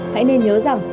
hãy nên nhớ rằng